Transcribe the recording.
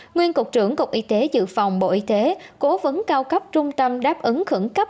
nguyên cục trưởng cục y tế dự phòng bộ y tế cố vấn cao cấp trung tâm đáp ứng khẩn cấp